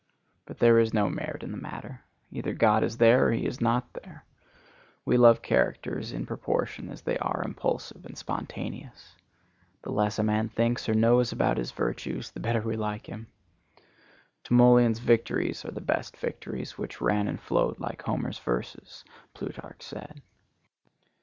But there is no merit in the matter. Either God is there or he is not there. We love characters in proportion as they are impulsive and spontaneous. The less a man thinks or knows about his virtues the better we like him. Timoleon's victories are the best victories, which ran and flowed like Homer's verses, Plutarch said.